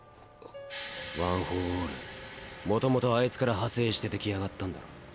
ワン・フォー・オール元々あいつから派生して出来上がったんだろ？